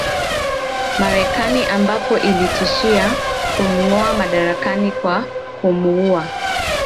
Marekani ambapo ilitishia kumngoa madarakani kwa kumuua